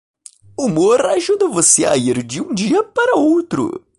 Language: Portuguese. Humor ajuda você a ir de um dia para outro.